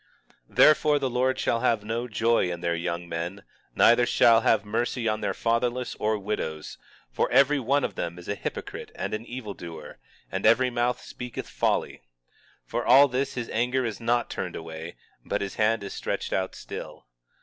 19:17 Therefore the Lord shall have no joy in their young men, neither shall have mercy on their fatherless and widows; for every one of them is a hypocrite and an evildoer, and every mouth speaketh folly. For all this his anger is not turned away, but his hand is stretched out still.